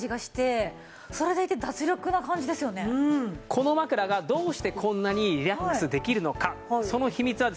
この枕がどうしてこんなにリラックスできるのかその秘密はですね